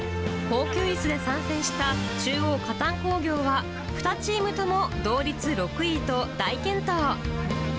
高級いすで参戦した中央可鍛工業は、２チームとも同率６位と大健闘。